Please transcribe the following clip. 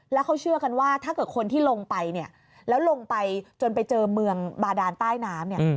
แล้วเขาเชื่อกันว่าถ้าเกิดคนที่ลงไปเนี่ยแล้วลงไปจนไปเจอเมืองบาดานใต้น้ำเนี่ย